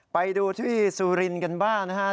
ไปดูที่สุรินทร์กันบ้างนะฮะ